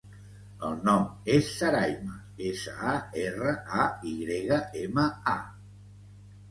El nom és Sarayma: essa, a, erra, a, i grega, ema, a.